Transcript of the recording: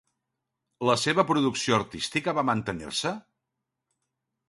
La seva producció artística va mantenir-se?